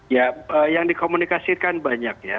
ya yang dikomunikasikan banyak ya